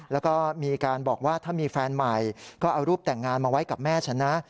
แล้วก็มีการบอกว่าถ้ามีแฟนใหม่ก็เอารูปแต่งงานมาไว้กับแม่ฉันนะ